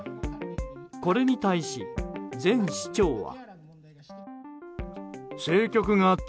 これに対し、前市長は。